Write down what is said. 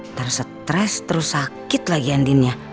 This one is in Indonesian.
ntar stress terus sakit lagi andinnya